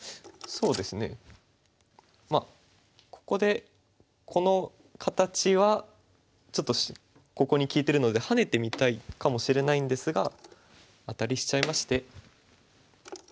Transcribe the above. ここでこの形はちょっとここに利いてるのでハネてみたいかもしれないんですがアタリしちゃいまして。